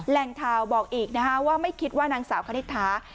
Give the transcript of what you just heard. แหล่งข่าวบอกอีกนะคะว่าไม่คิดว่านางสาวคณิตถา